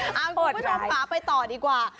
เอาคุณผู้ชมป่าไปต่อดีกว่า